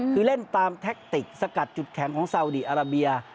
คือเล่นตามแท็กติกสกัดจุดแข็งของซาวดีอาราเบีย